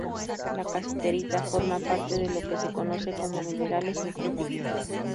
La casiterita forma parte de lo que se conoce como minerales en conflicto.